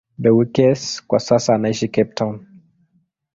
Beukes kwa sasa anaishi Cape Town.